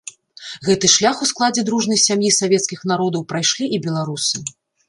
Гэты шлях у складзе дружнай сям'і савецкіх народаў прайшлі і беларусы.